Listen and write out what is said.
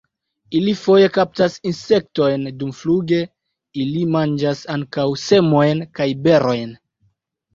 Ili foje kaptas insektojn dumfluge; ili manĝas ankaŭ semojn kaj berojn.